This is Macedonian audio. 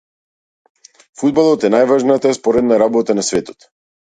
Фудбалот е најважната споредна работа на светот.